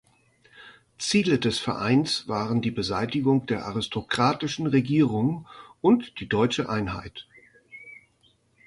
Ziele des Vereines waren die Beseitigung der aristokratischen Regierungen und die deutsche Einheit.